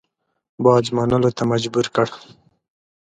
باج منلو ته مجبور کړ.